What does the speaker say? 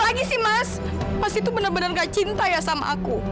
mas mas mas itu benar benar tidak cinta ya sama aku